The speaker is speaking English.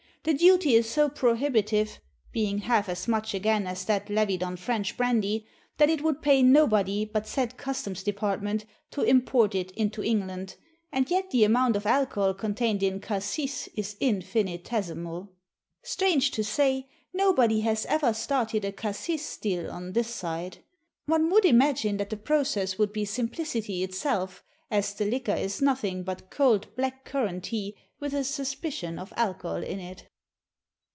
The duty is so prohibitive being half as much again as that levied on French brandy that it would pay nobody but said Customs Department to import it into England; and yet the amount of alcohol contained in cassis is infinitesimal. Strange to say nobody has ever started a cassis still on this side. One would imagine that the process would be simplicity itself; as the liquor is nothing but cold black currant tea, with a suspicion of alcohol in it.